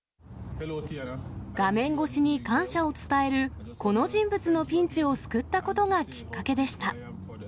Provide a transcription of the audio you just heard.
画面越しに感謝を伝えるこの人物のピンチを救ったことがきっかけでした。